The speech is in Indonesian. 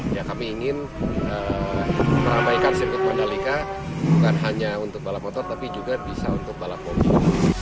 ya kami ingin meramaikan sirkuit mandalika bukan hanya untuk balap motor tapi juga bisa untuk balap mobil